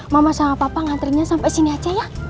mama sama papa ngantrinya sampai sini aja ya